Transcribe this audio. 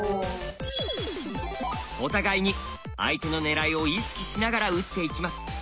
お互いに相手の狙いを意識しながら打っていきます。